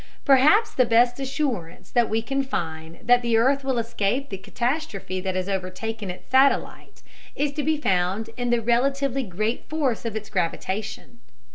Perhaps the best assurance that we can find that the earth will escape the catastrophe that has overtaken its satellite is to be found in the relatively great force of its gravitation.